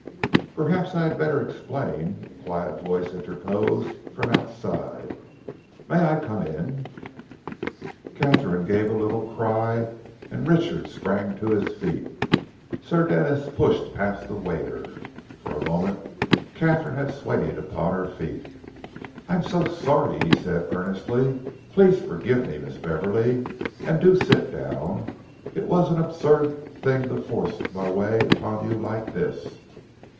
"Perhaps I had better explain," a quiet voice interposed from outside. "May I come in?" Katharine gave a little cry and Richard sprang to his feet. Sir Denis pushed past the waiter. For a moment Katharine had swayed upon her feet. "I am so sorry," he said earnestly. "Please forgive me, Miss Beverley, and do sit down. It was an absurd thing to force my way upon you like this.